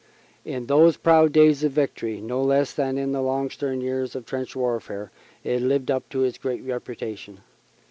In those proud days of victory, no less than in the long stern years of trench warfare, it lived up to its great reputation.